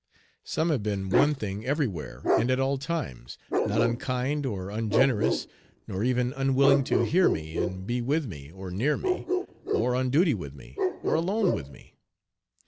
Some have been one thing everywhere and at all times, not unkind or ungenerous, nor even unwilling to hear me and be with me, or near me, or on duty with me, or alone with me.